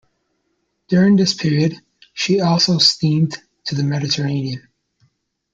During this period she also steamed to the Mediterranean.